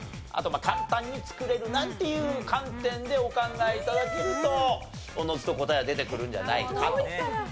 あと簡単に作れるなんていう観点でお考え頂けるとおのずと答えは出てくるんじゃないかと。